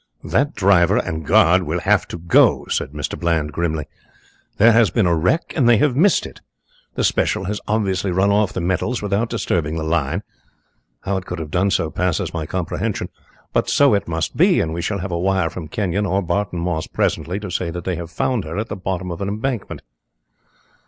"That driver and guard will have to go," said Mr. Bland, grimly. "There has been a wreck and they have missed it. The special has obviously run off the metals without disturbing the line how it could have done so passes my comprehension but so it must be, and we shall have a wire from Kenyon or Barton Moss presently to say that they have found her at the bottom of an embankment."